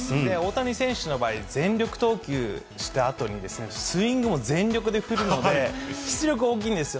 大谷選手の場合、全力投球したあとに、スイングも全力で振るので、出力大きいんですよ。